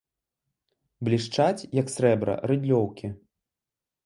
Блішчаць, як срэбра, рыдлёўкі.